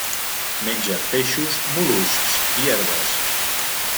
Menja peixos, mol·luscs i herbes.